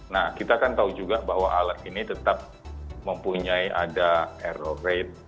nah kita kan tahu juga bahwa alat ini tetap mempunyai ada aero rate